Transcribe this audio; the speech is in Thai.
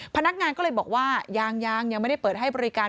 พนักงานก็เลยบอกว่ายางยางยังไม่ได้เปิดให้บริการ